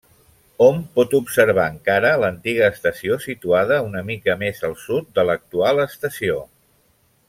Hom pot observar encara l'antiga estació situada una mica més al sud de l'actual estació.